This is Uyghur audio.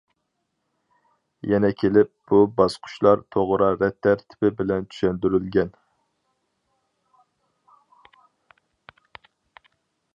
يەنە كېلىپ بۇ باسقۇچلار توغرا رەت تەرتىپى بىلەن چۈشەندۈرۈلگەن.